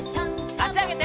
あしあげて。